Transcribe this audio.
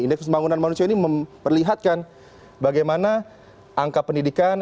indeks pembangunan manusia ini memperlihatkan bagaimana angka pendidikan